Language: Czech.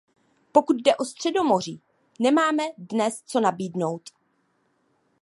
Pokud jde o Středomoří, nemáme dnes co nabídnout.